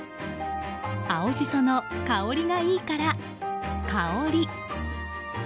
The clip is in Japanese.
青ジソの香りがいいからかおり。